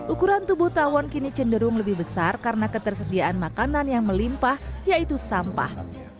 ukuran tubuh tawon kini cenderung lebih besar karena ketersediaan makanan yang melimpah yaitu sampah